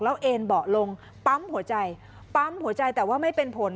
แล้วเอ็นเบาะลงปั๊มหัวใจปั๊มหัวใจแต่ว่าไม่เป็นผล